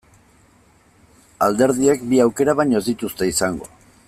Alderdiek bi aukera baino ez dituzte izango.